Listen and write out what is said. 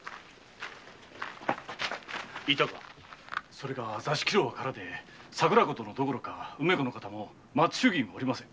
それが座敷牢は空で桜子殿どころか梅子の方も松千代君もおりません。